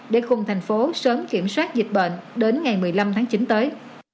để cùng thành phố sớm kiểm soát dịch bệnh đến ngày một mươi năm tháng chín tới